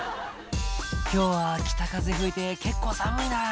「今日は北風吹いて結構寒いな」